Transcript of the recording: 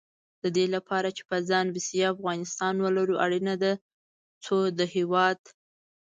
د دې لپاره چې په ځان بسیا افغانستان ولرو، اړینه ده څو د هېواد